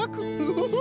フフフフ。